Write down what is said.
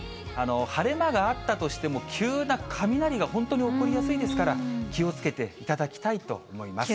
晴れ間があったとしても急な雷が本当に起こりやすいですから、気をつけていただきたいと思います。